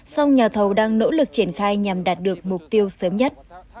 song nhà thầu đang nỗ lực triển khai nhằm đạt được mục tiêu sớm nhất